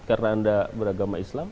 karena anda beragama islam